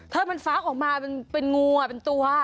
ถ้ามันฟักออกมาเป็นงูเป็นตัว